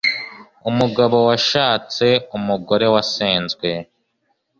umugabo washatse umugore wasenzwe